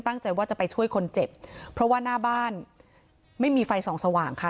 ตั้งใจว่าจะไปช่วยคนเจ็บเพราะว่าหน้าบ้านไม่มีไฟส่องสว่างค่ะ